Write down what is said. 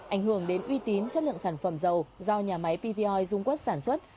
ảnh hưởng đến uy tín chất lượng sản phẩm dầu do nhà máy pvoi dung quốc sản xuất